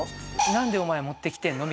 「なんでお前持ってきてるの？」